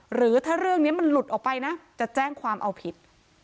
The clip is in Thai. หรือถ้าเรื่องนี้มันหลุดออกไปนะจะแจ้งความเอาผิด